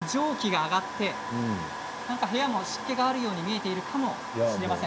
これによってかなり蒸気が上がって部屋も湿気があるように見えているかもしれません。